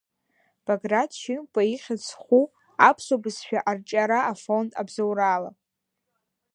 Баграт Шьынқәба ихьӡ зху аԥсуа бызшәа арҿиара афонд абзоурала.